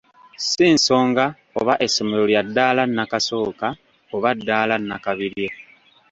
Si nsonga oba essomero lya ddaala nnakasooka oba ddaala nnakabirye.